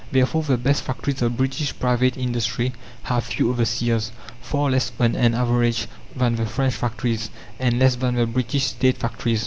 Therefore the best factories of British private industry have few overseers, far less on an average than the French factories, and less than the British State factories.